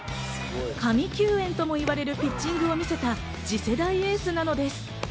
神救援ともいわれるピッチングを見せた次世代エースなのです。